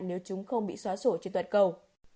nếu chúng không bị xóa sổ trên toàn cầu